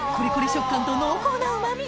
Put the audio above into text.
食感と濃厚なうまみ